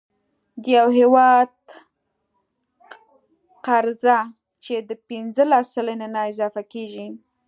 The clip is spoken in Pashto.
د یو هیواد قرضه چې د پنځلس سلنې نه اضافه کیږي،